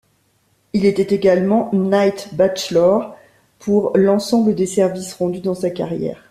Il était également Knight Bachelor pour l'ensemble des services rendus dans sa carrière.